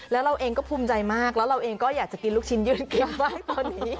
แล้วเราเองก็ภูมิใจมากแล้วเราเองก็อยากจะกินลูกชิ้นยืนเกี้ยวบ้างตอนนี้